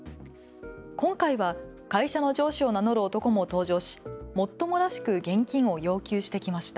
今回は会社の上司を名乗る男も登場し、もっともらしく現金を要求してきました。